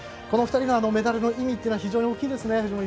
この２人のメダルの意味は非常に大きいですね。